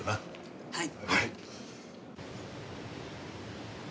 はい。